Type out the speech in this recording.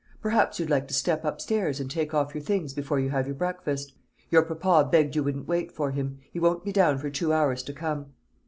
Perhaps you'd like to step upstairs and take off your things before you have your breakfast? Your papa begged you wouldn't wait for him. He won't be down for two hours to come."